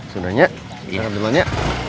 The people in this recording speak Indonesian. sudahnya kita ke dulunya